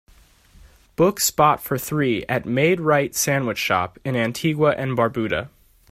Book spot for three at Maid-Rite Sandwich Shop in Antigua and Barbuda